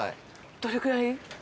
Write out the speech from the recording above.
どれくらい？